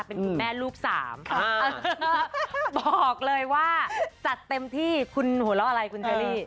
เป็นคุณแม่ลูกสามบอกเลยว่าจัดเต็มที่คุณหัวเราะอะไรคุณเชอรี่